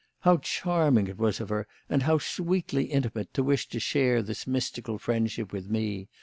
How charming it was of her and how sweetly intimate, to wish to share this mystical friendship with me!